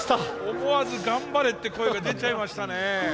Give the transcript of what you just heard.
思わず「頑張れ」って声が出ちゃいましたね。